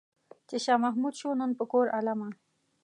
چې شاه محمود شو نن په کور عالمه.